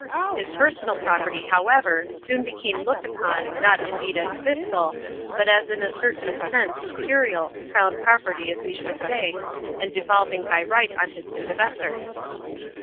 His personal property, however, soon became looked upon, not indeed as fiscal, but as in a certain sense imperial (cro \\n property, as we should say), and devolving by right on his successor.